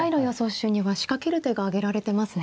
手には仕掛ける手が挙げられてますね。